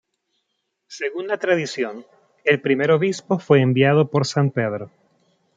Según la tradición, el primer obispo fue enviado por san Pedro.